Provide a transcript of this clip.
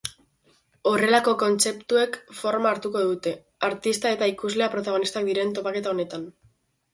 Horrelako kontzeptuek forma hartuko dute, artista eta ikuslea protagonistak diren topaketa honetan.